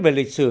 về lịch sử